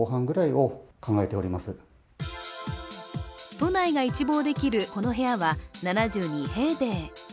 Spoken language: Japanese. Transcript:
都内が一望できるこの部屋は７２平米。